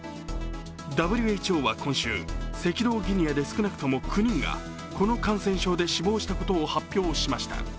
ＷＨＯは今週、赤道ギニアで少なくとも９人がこの感染症で死亡したことを発表しました。